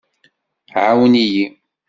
Ɛawen-iyi!